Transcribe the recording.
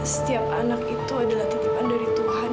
setiap anak itu adalah titipan dari tuhan